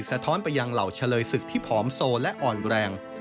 สะท้อนไปยังเหล่าเฉลยศึกที่ผอมโซและอ่อนแรง